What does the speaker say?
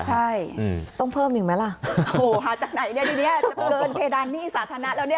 โอ้โฮหาจากไหนเนี่ยจะเกินเทดานหนี้สาธารณะแล้วเนี่ย